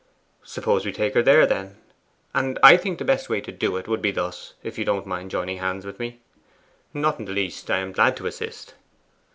'Suppose we take her there, then. And I think the best way to do it would be thus, if you don't mind joining hands with me.' 'Not in the least; I am glad to assist.